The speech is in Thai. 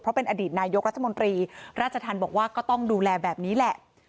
เพราะเป็นอดีตนายกรัฐมนตรีราชธรรมบอกว่าก็ต้องดูแลแบบนี้แหละ